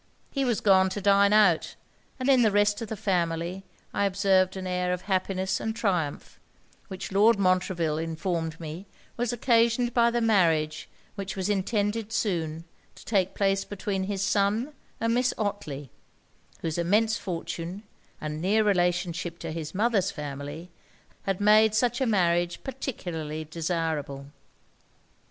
He was gone to dine out; and in the rest of the family I observed an air of happiness and triumph, which Lord Montreville informed me was occasioned by the marriage which was intended soon to take place between his son and Miss Otley; whose immense fortune, and near relationship to his mother's family, had made such a marriage particularly desirable.